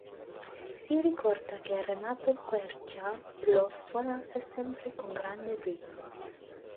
Si ricorda che Renato Quercia lo suonasse sempre con grande brio.